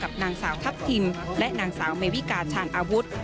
นางสาวทัพทิมและนางสาวเมวิกาชาญอาวุธ